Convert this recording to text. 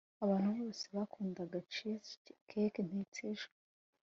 abantu bose bakundaga cheesecake natetse ejo